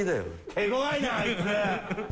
手ごわいな、あいつ。